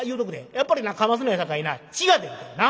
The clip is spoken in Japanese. やっぱりなかますのやさかいな血が出るで。な？